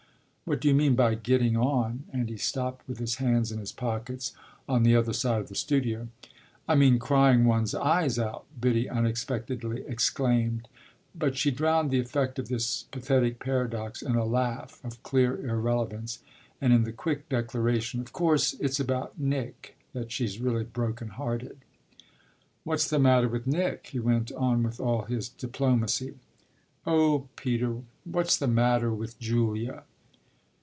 "What do you mean by getting on?" and he stopped with his hands in his pockets on the other side of the studio. "I mean crying one's eyes out!" Biddy unexpectedly exclaimed; but she drowned the effect of this pathetic paradox in a laugh of clear irrelevance and in the quick declaration: "Of course it's about Nick that she's really broken hearted." "What's the matter with Nick?" he went on with all his diplomacy. "Oh Peter, what's the matter with Julia?"